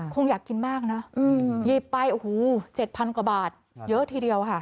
คงอยากกินมากนะหยิบไปโอ้โห๗๐๐กว่าบาทเยอะทีเดียวค่ะ